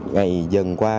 ngày dần qua